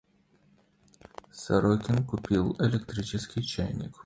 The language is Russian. Сорокин купил электрический чайник.